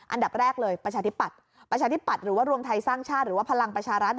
อันดับแรกเลยประชาธิปัตย์ประชาธิปัตย์หรือว่ารวมไทยสร้างชาติหรือว่าพลังประชารัฐ